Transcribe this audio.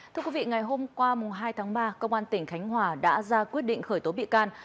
thưa quý vị ngày hôm qua hai tháng ba công an tỉnh khánh hòa đã ra quyết định khởi tố bị can